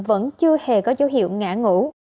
vẫn chưa hề có dấu hiệu ngã ngủ